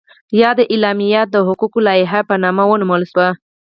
یاده اعلامیه د حقوقو لایحه په نامه ونومول شوه.